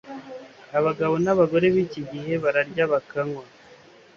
Abagabo n’abagore b’iki gihe bararya bakanywa